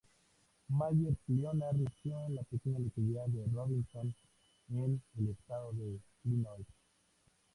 Meyers Leonard nació en la pequeña localidad de Robinson, en el Estado de Illinois.